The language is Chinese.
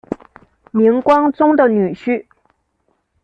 明光宗的女婿。